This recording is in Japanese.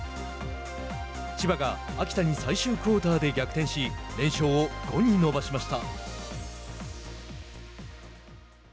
千葉が秋田に最終クオーターで逆転し連勝を５に伸ばしました。